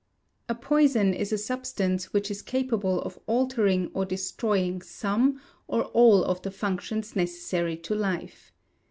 A poison is a substance which is capable of altering or destroying some or all of the functions necessary to life.